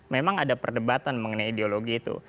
memang ada perdebatan mengenai ideologi itu